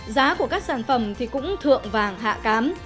giá của các sản phẩm thì cũng thượng vàng hạ cám